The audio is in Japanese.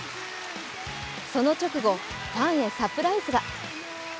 その直後、ファンヘサプライズが。